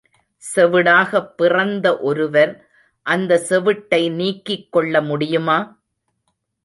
செவிடாகப் பிறந்த ஒருவர் அந்த செவிட்டை நீக்கிக் கொள்ள முடியுமா?